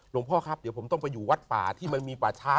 พ่อครับเดี๋ยวผมต้องไปอยู่วัดป่าที่มันมีป่าช้า